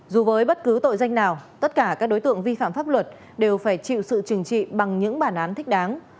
dù với bất cứ tội danh nào tất cả các đối tượng vi phạm pháp luật đều phải chịu sự trừng trị bằng những bản án thích đáng